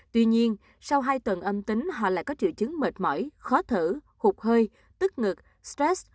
tuy nhiên sau hai tuần âm tính họ lại có triệu chứng mệt mỏi khó thở hụt hơi tức ngực stress